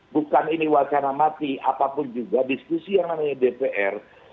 bukan ini wacana mati apapun juga diskusi yang namanya dpr